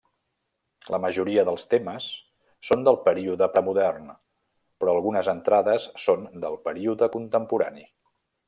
La majoria dels temes són del període premodern, però algunes entrades són del període contemporani.